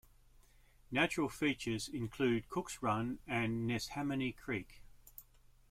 Natural features include Cooks Run and Neshaminy Creek.